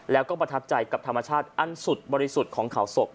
แล้วก็ประทับใจกับธรรมชาติอันสุดบริสุทธิ์ของเขาศพ